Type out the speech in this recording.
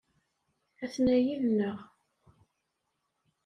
Aten-a yid-neɣ.